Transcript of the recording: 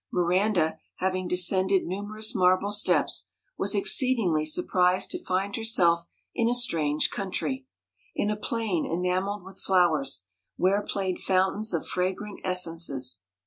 Miranda, haying descended numerous marble steps, was exceedingly surprised to find herself in a strange country, in a plain enamelled with flowers, where played fountains of fragrant essences.